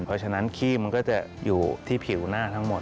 เพราะฉะนั้นขี้มันก็จะอยู่ที่ผิวหน้าทั้งหมด